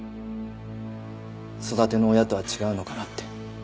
育ての親とは違うのかなって。